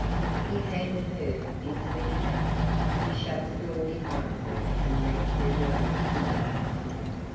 He handed her into the cab. He shut the door behind her and leant through the open window.